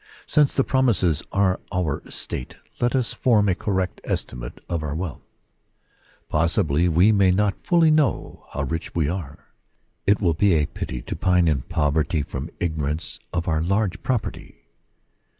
Since the promises are our estate, let us form a correct estimate of our wealth : possibly we may not fully know how rich we are. It will be a pity to pine in poverty from Ignorance of our large property.